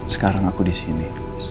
sekarang aku di sini